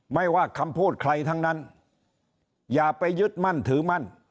ไม่ว่าคำพูดใครทั้งนั้นอย่าไปยึดมั่นถือมั่น